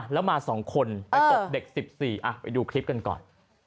แล้วมา๒คนไปตบเด็ก๑๔ไปดูคลิปกันก่อน